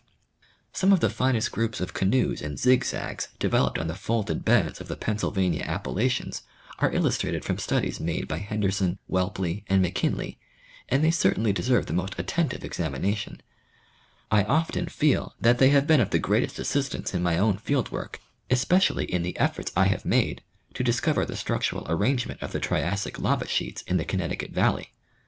Some of the finest groups of canoes and zigzags developed on the folded beds of the Pennsylvania Appa lachians are illustrated from studies made by Henderson, Whelp ley and McKinley, and they certainly deserve the most attentive examination. I often feel that they have been of the greatest assistance in my own field work, especially in the efforts I have 14 National Geographic Magazine. made to discover the structural arrangement of the Triassic lava sheets in the Connecticut valley.